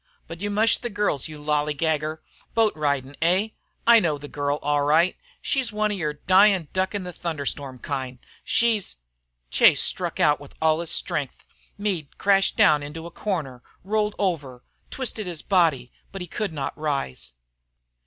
But you mush the girls, you lalligager! Boat ridin', eh? I know the girl, all right. She's one of your dyin' duck in a thunder storm kind. She's " Chase struck out with all his strength. Meade crashed down into a corner, rolled over, twisted his body, but could not rise.